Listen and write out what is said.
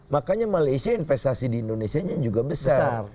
makanya malaysia investasi di indonesia nya juga besar